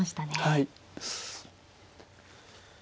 はい。